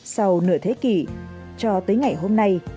sau nửa thế kỷ cho tới ngày hôm nay